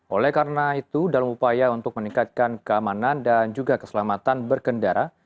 oleh karena itu dalam upaya untuk meningkatkan keamanan dan juga keselamatan berkendara